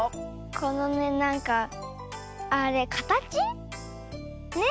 このねなんかあれかたち？ね？